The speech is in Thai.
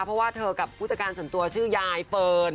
เพราะว่าเธอกับผู้จัดการส่วนตัวชื่อยายเฟิร์น